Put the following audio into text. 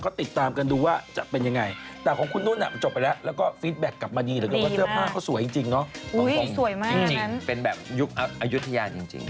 ใกล้แล้วอีกเดือนกว่าก็จะได้เห็นปลิงพระนางแหละ